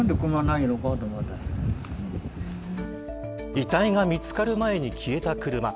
遺体が見つかる前に消えた車。